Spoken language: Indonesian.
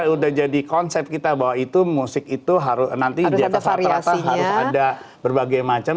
udah jadi konsep kita bahwa itu musik itu harus nanti di atas rata rata harus ada berbagai macam